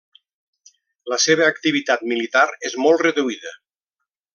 La seva activitat militar és molt reduïda.